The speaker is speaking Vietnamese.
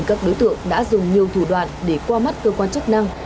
các đối tượng đã dùng nhiều thủ đoạn để qua mắt cơ quan chức năng